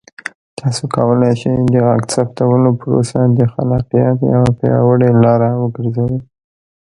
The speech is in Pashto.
تاسو کولی شئ د غږ ثبتولو پروسه د خلاقیت یوه پیاوړې لاره وګرځوئ.